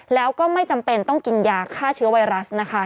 แล้วก็ไม่จำเป็นต้องกินยาฆ่าเชื้อไวรัสนะคะ